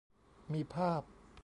มีภาพ